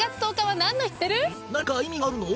何か意味があるの？